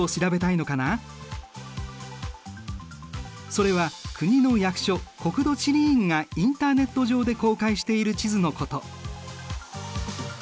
それは国の役所国土地理院がインターネット上で公開している地図のこと。